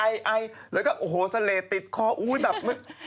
หรือก็โอ้โหสะเลติดคออุ๊ยแบบนึก